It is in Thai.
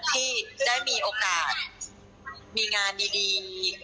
ที่ได้มีโอกาสมีงานดี